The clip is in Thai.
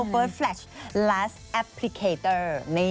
เวิร์สแฟลชลาร์สแอปพลิเคตอร์